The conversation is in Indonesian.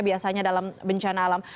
biasanya dalam bencana alam